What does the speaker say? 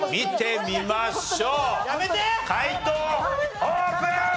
解答オープン！